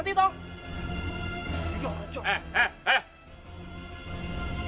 tidak ini tidak bisa mati